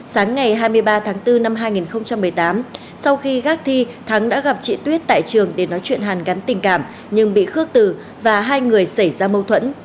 sáng ngày hai mươi ba tháng bốn năm hai nghìn một mươi tám sau khi gác thi thắng đã gặp chị tuyết tại trường để nói chuyện hàn gắn tình cảm nhưng bị khước tử và hai người xảy ra mâu thuẫn